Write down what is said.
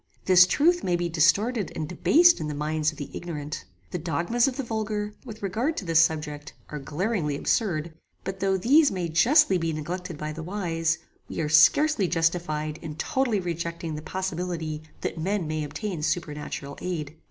This truth may be distorted and debased in the minds of the ignorant. The dogmas of the vulgar, with regard to this subject, are glaringly absurd; but though these may justly be neglected by the wise, we are scarcely justified in totally rejecting the possibility that men may obtain supernatural aid.